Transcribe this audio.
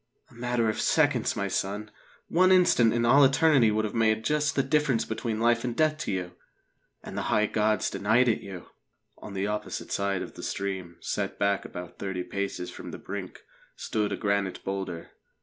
"A matter of seconds, my son. One instant in all eternity would have made just the difference between life and death to you. And the high gods denied it you!" On the opposite side of the stream, set back about thirty paces from the brink, stood a granite boulder.